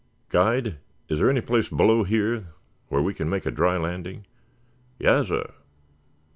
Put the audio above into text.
"Guide, is there any place below here where we can make a dry landing?" "Yassir."